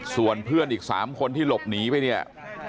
ส่วนเพื่อนอีก๓คนที่หลบหนีไปเนี่ย